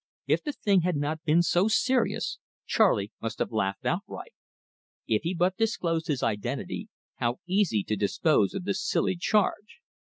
If the thing had not been so serious, Charley must have laughed outright. If he but disclosed his identity, how easy to dispose of this silly charge!